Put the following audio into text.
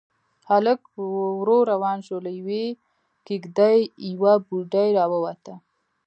هلک ورو روان شو، له يوې کېږدۍ يوه بوډۍ راووته.